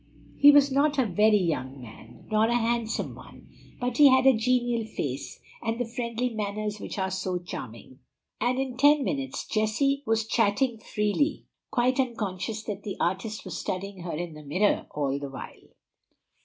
He was not a very young man, nor a handsome one, but he had a genial face, and the friendly manners which are so charming; and in ten minutes Jessie was chatting freely, quite unconscious that the artist was studying her in a mirror all the while.